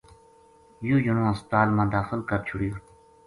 یوہ جنوہسپتال ما داخل کر چھُڑیو